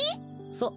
そう。